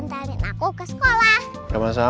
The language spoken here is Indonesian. nggak antarin aku ke sekolah